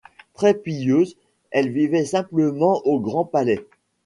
Très pieuse, elle vivait simplement au Grand Palais.